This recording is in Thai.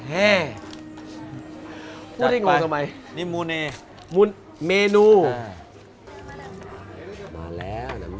แหนมเนืองลับแลเมืองขอนแก่นจังหวัดขอนแก่น